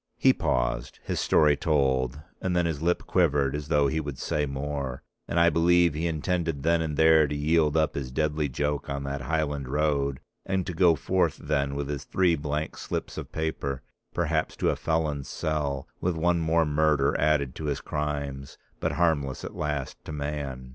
He paused, his story told, and then his lip quivered as though he would say more, and I believe he intended then and there to yield up his deadly joke on that Highland road and to go forth then with his three blank slips of paper, perhaps to a felon's cell, with one more murder added to his crimes, but harmless at last to man.